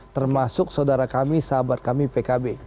termasuk saudara kami sahabat kami pkb